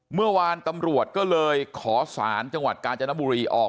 เมื่อวานตำรวจก็เลยขอสารจังหวัดกาญจนบุรีออก